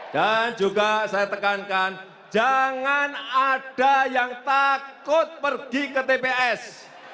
dan juga saya tekankan jangan ada yang takut pergi ke tps